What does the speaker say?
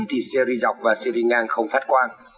thì xe ri dọc và xe ri ngang không phát quan